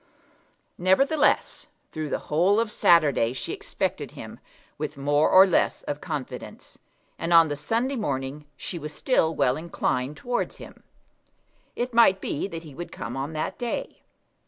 Nevertheless, through the whole of Saturday she expected him with more or less of confidence, and on the Sunday morning she was still well inclined towards him. It might be that he would come on that day.